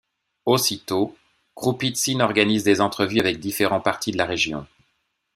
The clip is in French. Aussitôt, Kroupitsyne organise des entrevues avec différents parties de la région.